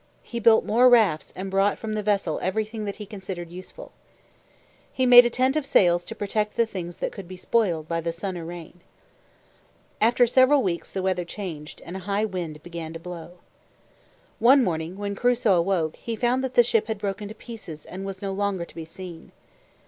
He built more rafts and brought from the vessel everything that he considered useful. He made a tent of sails to protect the things that could be spoiled by the sun or rain. After several weeks, the weather changed, and a high wind began to blow. One morning, when Crusoe awoke, he found that the ship had broken to pieces and was no longer to be seen.